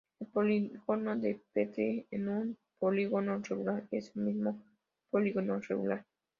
El polígono de Petrie de un polígono regular es el mismo polígono regular.